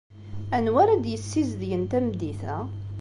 Anwa ara d-yessizedgen tameddit-a?